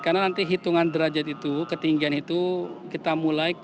karena nanti hitungan derajat itu ketinggian itu kita mulai